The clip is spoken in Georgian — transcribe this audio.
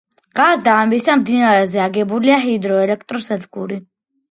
გარდა ამისა, მდინარეზე აგებულია ჰიდროელექტროსადგური.